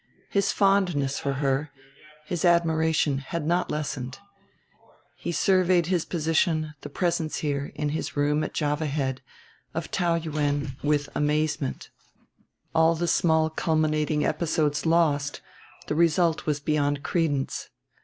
His fondness for her, his admiration, had not lessened. He surveyed his position, the presence here, in his room at Java Head, of Taou Yuen, with amazement; all the small culminating episodes lost, the result was beyond credence.